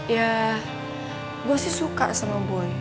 ya gue sih suka sama boe